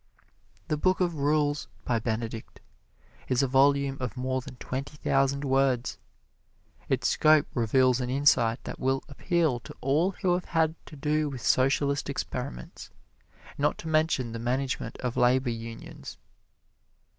The Book of Rules by Benedict is a volume of more than twenty thousand words. Its scope reveals an insight that will appeal to all who have had to do with socialistic experiments, not to mention the management of labor unions.